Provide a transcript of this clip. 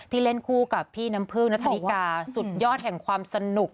เล่นคู่กับพี่น้ำพึ่งณธนิกาสุดยอดแห่งความสนุก